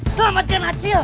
selamat jalan cil